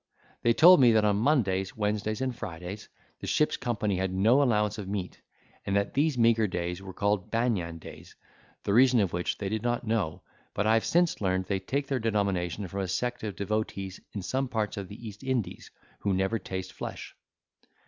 They told me, that, on Mondays, Wednesdays, and Fridays, the ship's company had no allowance of meat, and that these meagre days were called banyan days, the reason of which they did not know; but I have since learned they take their denomination from a sect of devotees in some parts of the East Indies, who never taste flesh.